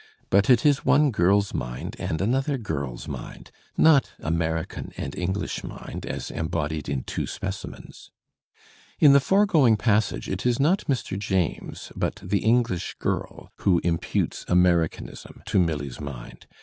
But it is one girl's mind and another girl's mind, not Amer ican and English mind as embodied in two specimens. In the foregoing passage it is not Mr. James but the English girl who imputes Americanism to Milly's mind.